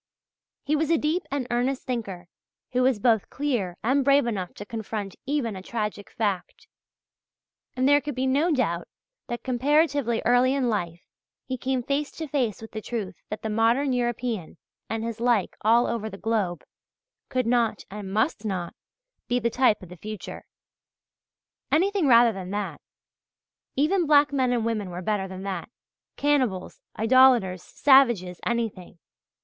He was a deep and earnest thinker who was both clear and brave enough to confront even a tragic fact. And there can be no doubt that comparatively early in life he came face to face with the truth that the modern European and his like all over the globe, could not and must not, be the type of the future. Anything rather than that! Even black men and women were better than that cannibals, idolators, savages, anything!